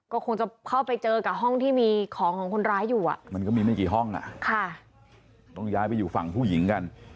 ก็คงจะเข้าไปเจอกับห้องที่มีของของคนร้ายอยู่มันก็มีไม่กี่ห้องต้องย้ายไปอยู่ฝั่งผู้หญิงกัน